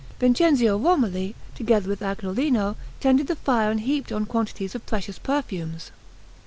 Vincenzio Romoli, together with Agnolino, tended the fire and heaped on quantities of precious perfumes.